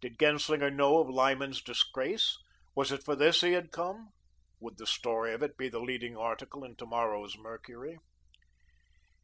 Did Genslinger know of Lyman's disgrace? Was it for this he had come? Would the story of it be the leading article in to morrow's Mercury?